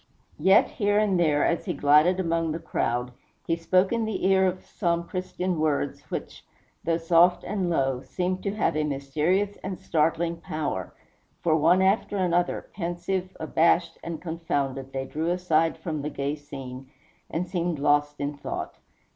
Yet here and there, as he glided among the crowd, he spoke in the ear of some Christian words which, though soft and low, seemed to have a mysterious and startling power; for one after another, pensive, abashed, and confounded, they drew aside from the gay scene, and seemed lost in thought.